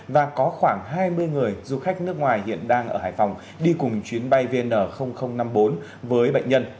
và có khoảng hai mươi người du khách nước ngoài hiện đang ở hải phòng đi cùng chuyến bay vn năm mươi bốn với bệnh nhân